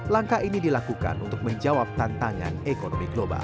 langkah ini dilakukan untuk menjawab tantangan ekonomi global